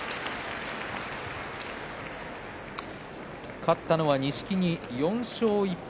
勝ったのは錦木、４勝１敗。